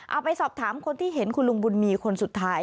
เอาไปสอบถามคนที่เห็นคุณลุงบุญมีคนสุดท้าย